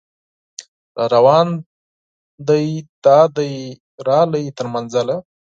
راروان دی دا دی راغی تر منزله